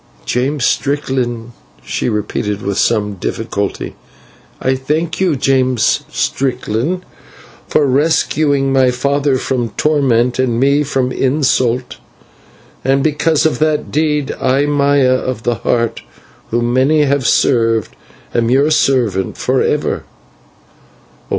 "James Strickland," she repeated with some difficulty. "I thank you, James Strickland, for rescuing my father from torment and me from insult; and because of that deed, I, Maya of the Heart, whom many have served, am your servant for ever."